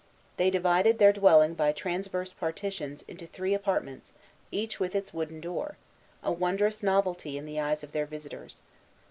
They divided their dwelling by transverse partitions into three apartments, each with its wooden door, a wondrous novelty in the eyes of their visitors.